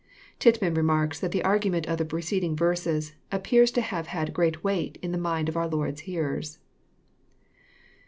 " Tittman remarks that the argument of the preceding verses " appears to have had great weight in the minds of our Lord's hearers."